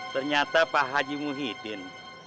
ternyata pak haji muhidin